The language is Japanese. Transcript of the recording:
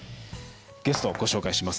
ゲスト、ご紹介します。